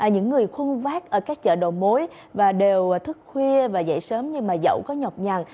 những người khuôn vác ở các chợ đồ mối và đều thức khuya và dậy sớm nhưng mà dẫu có nhọc nhằn